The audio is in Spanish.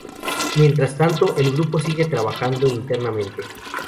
Mientras tanto, el grupo sigue trabajando internamente.